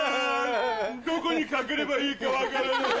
どこに掛ければいいか分からないんだ。